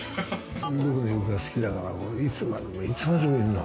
僕の洋服が好きだから、いつまでもいつまでもいるの。